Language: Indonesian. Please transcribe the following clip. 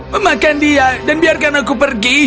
memakan dia dan biarkan aku pergi